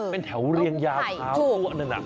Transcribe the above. เป็นแถวเรียงยาข้าวตัวอันนั้น